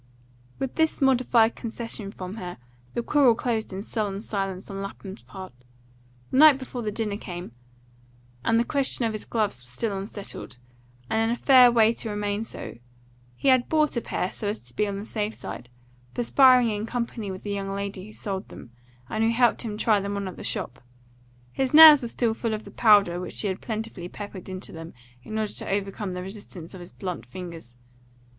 With this modified concession from her, the quarrel closed in sullen silence on Lapham's part. The night before the dinner came, and the question of his gloves was still unsettled, and in a fair way to remain so. He had bought a pair, so as to be on the safe side, perspiring in company with the young lady who sold them, and who helped him try them on at the shop; his nails were still full of the powder which she had plentifully peppered into them in order to overcome the resistance of his blunt fingers.